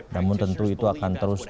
namun tentu itu akan terus